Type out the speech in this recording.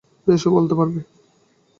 বেশ, ও বলতে পারবে।